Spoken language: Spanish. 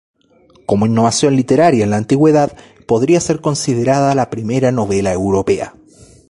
Como innovación literaria en la Antigüedad, podría ser considerada la primera novela europea.